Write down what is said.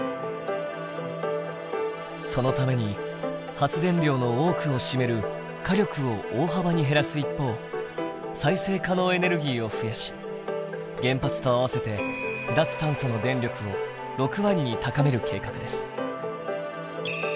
そのために発電量の多くを占める火力を大幅に減らす一方再生可能エネルギーを増やし原発と合わせて脱炭素の電力を６割に高める計画です。